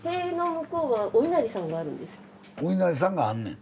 おいなりさんがあんねん。